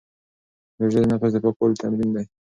روژه د نفس د پاکوالي تمرین دی.